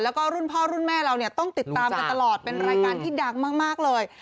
แล้วก็รุ่นพ่อรุ่นแม่เราเนี่ยต้องติดตามกันตลอดเป็นรายการที่ดังมากเลย